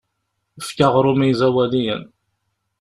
Efk aɣrum i iẓawaliyen.